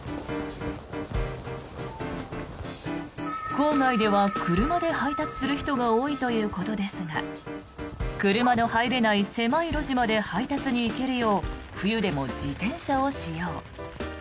郊外では車で配達する人が多いということですが車の入れない狭い路地まで配達に行けるよう冬でも自転車を使用。